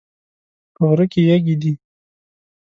په غره کې یږي دي